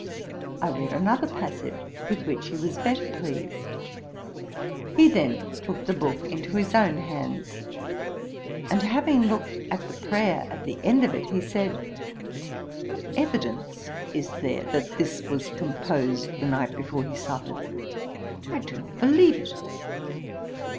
I read another passage, with which he was better pleased. He then took the book into his own hands, and having looked at the prayer at the end of it, he said, 'What evidence is there that this was composed the night before he suffered? I do not believe it.'